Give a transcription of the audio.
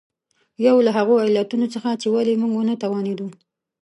یو له هغو علتونو څخه چې ولې موږ ونه توانېدو.